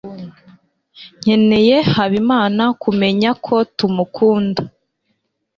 nkeneye habimana kumenya ko tumukunda